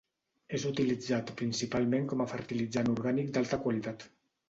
És utilitzat principalment com a fertilitzant orgànic d'alta qualitat.